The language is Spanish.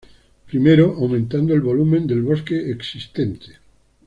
Primero, aumentando el volumen del bosque existente.